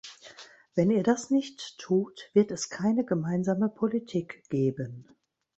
Wenn Ihr das nicht tut, wird es keine gemeinsame Politik geben.